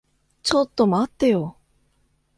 ちょっと待ってよ。